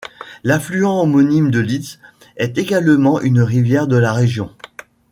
L’affluent homonyme de l’Itz est également une rivière de la région.